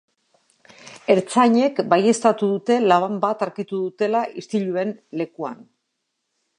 Ertzainek baieztatu dute labana bat aurkitu dutela istiluen lekuan.